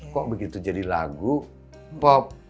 kok begitu jadi lagu pop